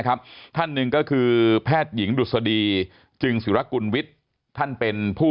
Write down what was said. ท่านหนึ่งก็คือแพทย์หญิงดุษฎีจึงศิรกุลวิทย์ท่านเป็นผู้